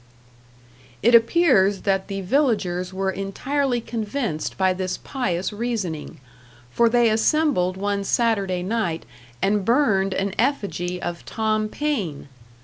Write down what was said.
It appears that the villagers were entirely convinced by this pious reasoning; for they assembled one Saturday night and burned an effigy of Tom Paine!